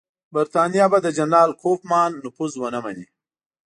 برټانیه به د جنرال کوفمان نفوذ ونه مني.